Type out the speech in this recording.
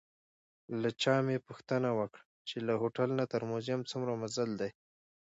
له چا مې پوښتنه وکړه چې له هوټل نه تر موزیم څومره مزل دی؟